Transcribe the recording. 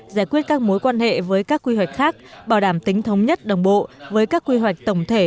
giải quyết các mối quan hệ với các quy hoạch khác bảo đảm tính thống nhất đồng bộ với các quy hoạch tổng thể